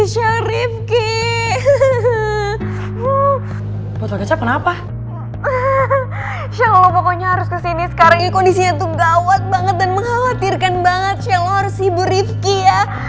shell lo pokoknya harus kesini sekarang ini kondisinya tuh gawat banget dan mengkhawatirkan banget shell lo harus ibu rifki ya